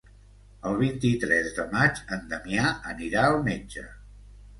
El vint-i-tres de maig en Damià anirà al metge.